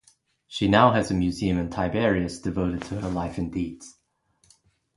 She now has a museum in Tiberias devoted to her life and deeds.